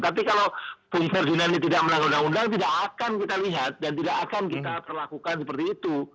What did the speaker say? tapi kalau bung ferdinand ini tidak melanggar undang undang tidak akan kita lihat dan tidak akan kita perlakukan seperti itu